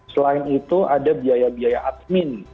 selain itu ada biaya biaya admin